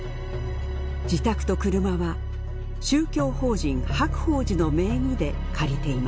自宅と車は宗教法人白鳳寺の名義で借りていました。